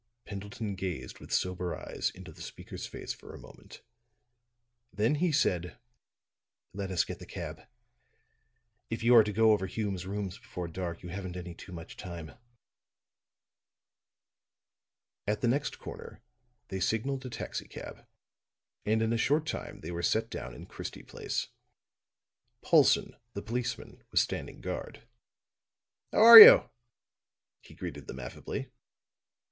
Pendleton gazed with sober eyes into the speaker's face for a moment. Then he said: "Let us get the cab; if you are to go over Hume's rooms before dark, you haven't any too much time." At the next corner they signaled a taxicab, and in a short time they were set down in Christie Place. Paulson, the policeman, was standing guard. "How are you?" he greeted them affably.